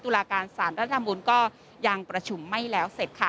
ลาการสารรัฐธรรมนุนก็ยังประชุมไม่แล้วเสร็จค่ะ